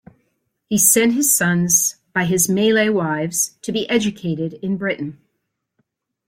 He sent his sons, by his Malay wives, to be educated in Britain.